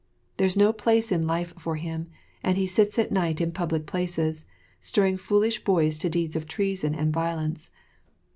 There is no place in life for him, and he sits at night in public places, stirring foolish boys to deeds of treason and violence.